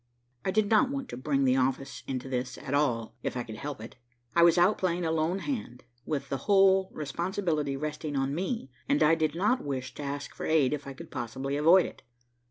I did not want to bring the office into this at all if I could help it. I was out playing a lone hand, with the whole responsibility resting on me, and I did not wish to ask for aid if I could possibly avoid it.